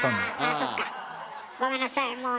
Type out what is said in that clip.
あそっかごめんなさい。